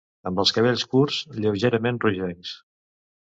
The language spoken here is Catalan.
Amb els cabells curts, lleugerament rogencs.